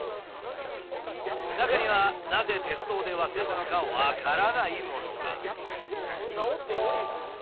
中にはなぜ鉄道で忘れたのか分からないものが。